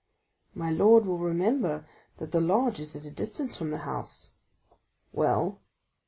"My lord will remember that the lodge is at a distance from the house." "Well?"